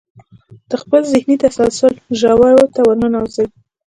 د خپل ذهني تسلسل ژورو ته ورننوځئ.